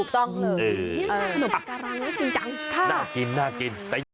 ถูกต้องเลยน่ากินน่ากิน